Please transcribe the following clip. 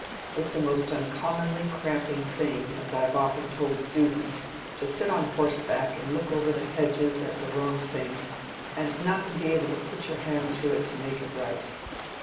It's a most uncommonly cramping thing, as I've often told Susan, to sit on horseback and look over the hedges at the wrong thing, and not be able to put your hand to it to make it right.